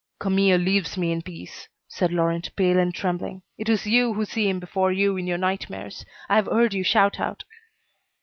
"Camille leaves me in peace," said Laurent, pale and trembling, "it is you who see him before you in your nightmares. I have heard you shout out."